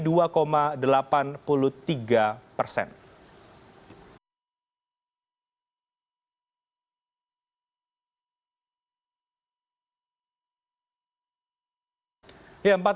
jokowi jawa menangkan kemenangan joko widodo